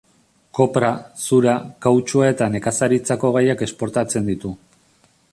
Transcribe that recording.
Kopra, zura, kautxua eta nekazaritzako gaiak esportatzen ditu.